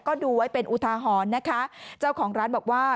ก็ดูไว้เป็นอุทาหรณ์นะคะเจ้าของร้านบอกว่า